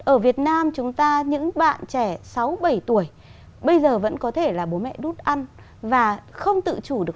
ở việt nam chúng ta những bạn trẻ sáu bảy tuổi bây giờ vẫn có thể là bố mẹ đút ăn và không tự chủ được